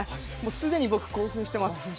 すでに僕、興奮しています。